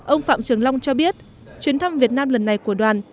ông phạm trường long cho biết chuyến thăm việt nam lần này của đoàn